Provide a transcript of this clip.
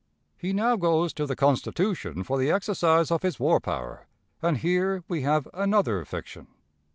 He now goes to the Constitution for the exercise of his war power, and here we have another fiction.